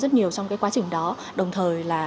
rất nhiều trong quá trình đó đồng thời